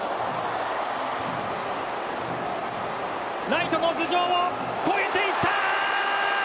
ライトの頭上を越えていった！